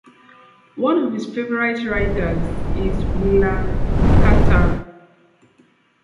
One of his favorite writers is Willa Cather.